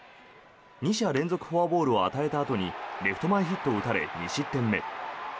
２者連続フォアボールを与えたあとにレフト前ヒットを打たれ２失点目。